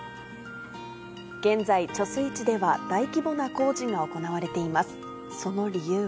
現在、貯水池では大規模な工事が行われています。